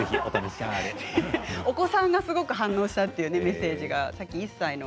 お子さんがすごく反応したということですね。